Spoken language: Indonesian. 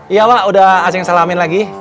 iya wa udah acing salamin lagi